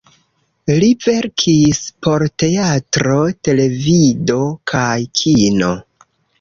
Li verkis por teatro, televido kaj kino.